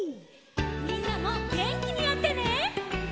みんなもげんきにやってね！